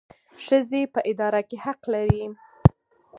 ښځې په اداره کې حق لري